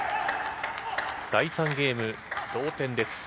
第３ゲーム、同点です。